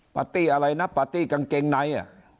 ปาร์ตี้อะไรนะกางเกงไหน